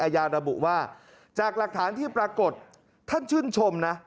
ยาระบุว่าจากหลักฐานที่ปรากฏท่านชื่นชมนะ